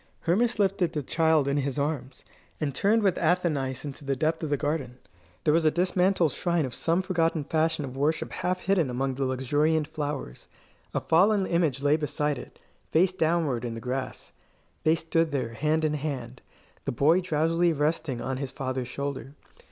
Hermas lifted the child in his arms, and turned with Athenais into the depth of the garden. There was a dismantled shrine of some forgotten fashion of worship half hidden among the luxuriant flowers. A fallen image lay beside it, face downward in the grass. They stood there, hand in hand, the boy drowsily resting on his father's shoulder.